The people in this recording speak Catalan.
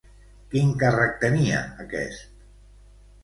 Quin càrrec tenia, aquest?